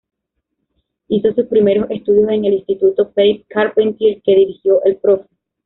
Hizo sus primeros estudios en el Instituto Pape Carpentier que dirigió el Prof.